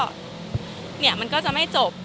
แล้วก็มันจะไม่จบ